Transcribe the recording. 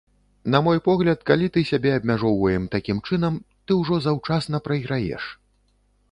На мой погляд, калі ты сябе абмяжоўваем такім чынам, ты ўжо заўчасна прайграеш.